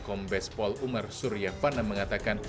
kombes pol umar surya fana mengatakan